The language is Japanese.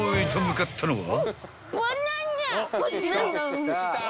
［かかったのは］